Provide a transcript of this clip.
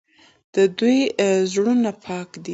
د دوی زړونه پاک دي.